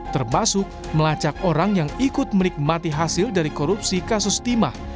termasuk melacak orang yang ikut menikmati hasil dari korupsi kasus timah